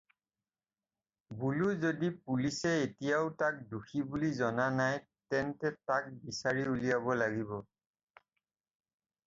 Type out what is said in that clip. বোলো যদি পুলিচে এতিয়াও তাক দোষী বুলি জনা নাই, তেন্তে তাক বিচাৰি উলিয়াব লাগিব।